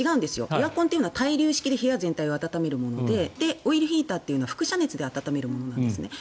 エアコンというのは対流式で部屋全体を暖めてオイルヒーターというのは輻射熱で暖めるものなんです。